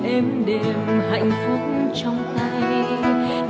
em đềm hạnh phúc trong tay